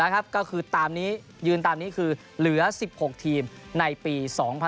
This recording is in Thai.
ก็คือยืนตามนี้คือเหลือ๑๖ทีมในปี๒๐๑๖